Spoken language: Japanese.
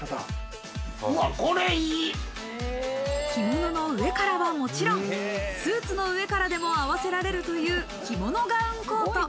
着物の上からはもちろん、スーツの上からでも合わせられるという着物ガウンコート。